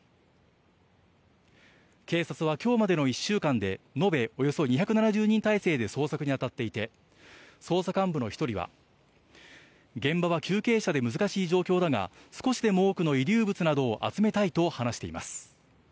警察はきょうまでの１週間で、延べおよそ２７０人態勢で捜索に当たっていて、捜査幹部の一人は、現場は急傾斜で難しい状況だが、少しでも多くの遺留物などを集めたいと話しています。